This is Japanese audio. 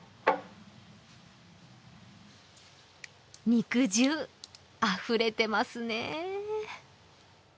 肉汁、あふれてますね。